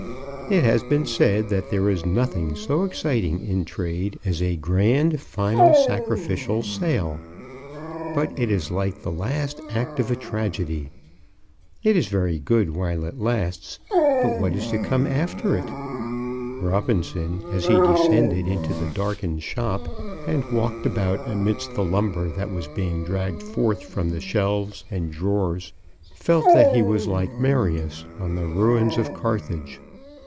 It has been said that there is nothing so exciting in trade as a grand final sacrificial sale. But it is like the last act of a tragedy. It is very good while it lasts, but what is to come after it? Robinson, as he descended into the darkened shop, and walked about amidst the lumber that was being dragged forth from the shelves and drawers, felt that he was like Marius on the ruins of Carthage.